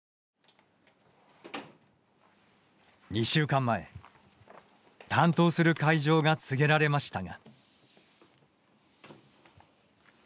２週間前、担当する会場が告げられましたが。